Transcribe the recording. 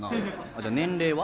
じゃあ年齢は？